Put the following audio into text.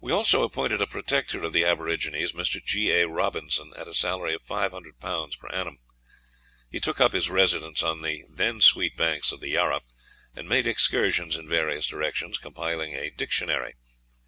We also appointed a protector of the aborigines, Mr. G. A. Robinson, at a salary of 500 pounds per annum. He took up his residence on the then sweet banks of the Yarra, and made excursions in various directions, compiling a dictionary.